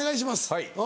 はい。